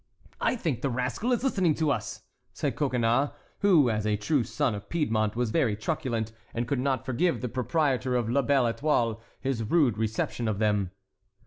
"I think the rascal is listening to us," said Coconnas, who, as a true son of Piedmont, was very truculent, and could not forgive the proprietor of La Belle Étoile his rude reception of them.